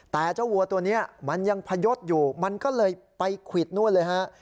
แต่เจ้าวัวตัวนี้มันยังพยศอยู่มันก็เลยไปควิดนู่นเลยฮะ